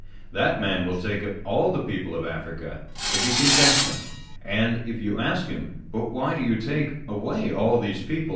That man will take away all the people of Africa if he can catch them ; and if you ask him, But why do you take away all these people